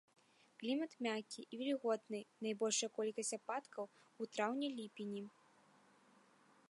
Клімат мяккі і вільготны, найбольшая колькасць ападкаў у траўні-ліпені.